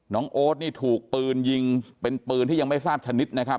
โอ๊ตนี่ถูกปืนยิงเป็นปืนที่ยังไม่ทราบชนิดนะครับ